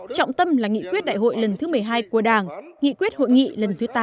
trọng tâm là nghị quyết đại hội lần thứ một mươi hai của đảng nghị quyết hội nghị lần thứ tám